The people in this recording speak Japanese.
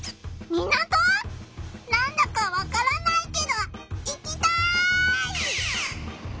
なんだかわからないけど行きたい！